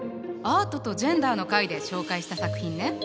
「アートとジェンダー」の回で紹介した作品ね。